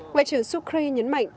ngoại trưởng sukri nhấn mạnh